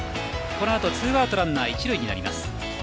このあとツーアウトランナー一塁になります。